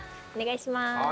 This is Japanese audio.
お願いします。